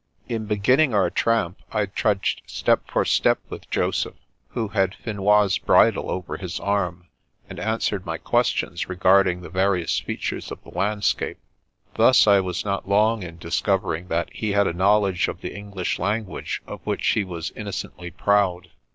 In beginning our tramp, I trudged step for step with Joseph, who had Finois* bridle over his arm, and answered my questions regarding the various features of the landscape. Thus I was not long in discovering that he had a knowledge of the English language of which he was innocently proud.